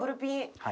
はい。